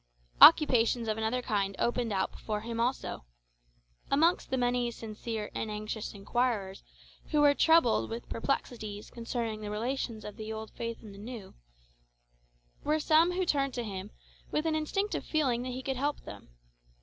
Occupations of another kind opened out before him also. Amongst the many sincere and anxious inquirers who were troubled with perplexities concerning the relations of the old faith and the new, were some who turned to him, with an instinctive feeling that he could help them.